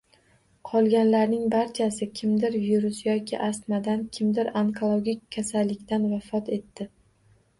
Qolganlarning barchasi: kimdir virus yoki astmadan, kimdir onkologik kasallikdan vafot etdi